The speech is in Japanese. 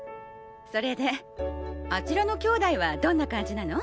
それであちらの兄妹はどんな感じなの？